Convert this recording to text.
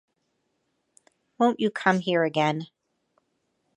Won’t you come here again?